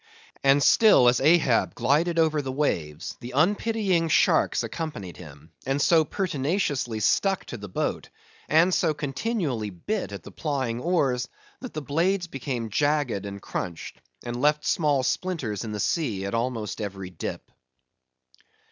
And still as Ahab glided over the waves the unpitying sharks accompanied him; and so pertinaciously stuck to the boat; and so continually bit at the plying oars, that the blades became jagged and crunched, and left small splinters in the sea, at almost every dip.